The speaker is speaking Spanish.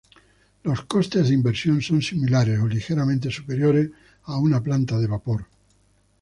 Los costes de inversión son similares o ligeramente superiores a una planta de vapor.